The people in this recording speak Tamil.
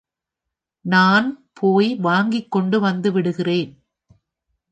நான் போய் வாங்கிக்கொண்டு வந்துவிடுகிறேன்.